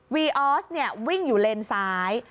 วีออสวิ่งอยู่เลนสาย